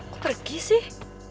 kok pergi sih